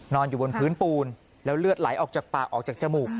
อยู่บนพื้นปูนแล้วเลือดไหลออกจากปากออกจากจมูก